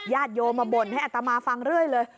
ญาติโยมบ่นให้อัตตมาฯฟังเรื่อยเลย